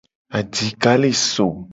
Adika le som.